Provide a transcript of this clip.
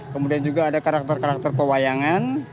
kemudian juga ada karakter karakter pewayangan